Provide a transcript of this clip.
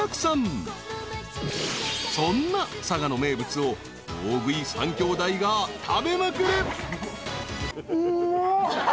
［そんな佐賀の名物を大食い三兄弟が食べまくる］